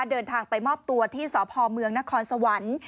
เดินทางไปมอบตัวที่สพเมืองนครสวรรค์